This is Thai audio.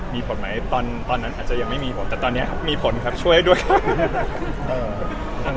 มีผลไหมตอนนั้นอาจจะยังไม่มีผลแต่ตอนนี้มีผลครับช่วยด้วย